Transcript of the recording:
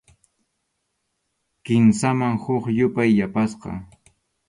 Kimsaman huk yupay yapasqa.